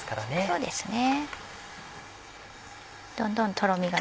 そうですね。